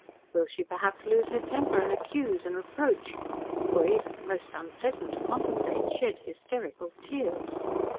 Will she, perhaps, lose her temper, and accuse and reproach, or even most unpleasant to contemplate shed hysterical tears?